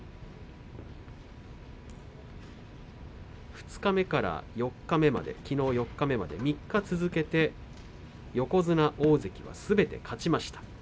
二日目から四日目まで３日続けて横綱大関はすべて勝ちました。